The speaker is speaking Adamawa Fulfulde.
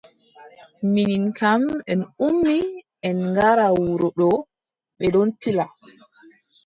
Minin kam en ummi en ngara wuro ɗo. bee ɗon pila.